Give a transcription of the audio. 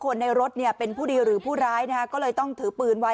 ในรถเนี่ยเป็นผู้ดีหรือผู้ร้ายนะฮะก็เลยต้องถือปืนไว้